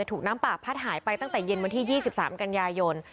ถูกน้ำป่าพัดหายไปตั้งแต่เย็นวันที่๒๓กันยายน